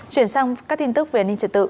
chuyển sang các tin tức về an ninh trật tự